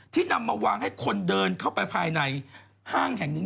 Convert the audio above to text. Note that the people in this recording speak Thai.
นำมาวางให้คนเดินเข้าไปภายในห้างแห่งนี้